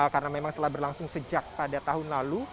karena memang telah berlangsung sejak pada tahun lalu